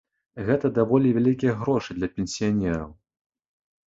Гэта даволі вялікія грошы для пенсіянераў.